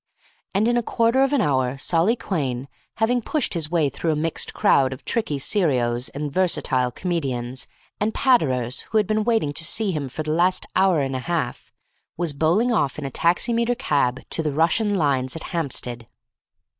And in a quarter of an hour Solly Quhayne, having pushed his way through a mixed crowd of Tricky Serios and Versatile Comedians and Patterers who had been waiting to see him for the last hour and a half, was bowling off in a taximeter cab to the Russian lines at Hampstead.